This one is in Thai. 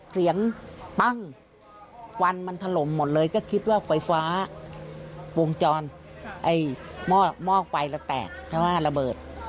เสียงปั้งควันมันถล่มหมดเลยก็คิดว่าไฟฟ้าวงจรไอ้หม้อไฟแล้วแตกใช่ไหมระเบิด